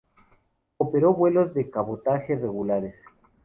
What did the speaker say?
Operó vuelos de cabotaje regulares.